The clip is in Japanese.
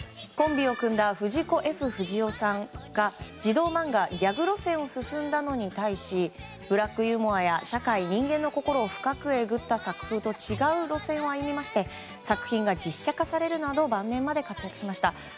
コンビを組んだ藤子・Ｆ・不二雄さんが児童漫画ギャグ路線を進んだのに対しブラックユーモアや社会、人間の心を深くえぐった作風と違う路線を歩みまして作品が実写化されるなど晩年まで活躍しました。